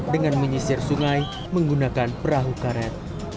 dengan menyisir sungai menggunakan perahu karet